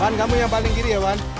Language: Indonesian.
kan kamu yang paling kiri ya wan